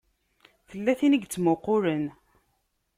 Tella tin i yettmuqqulen.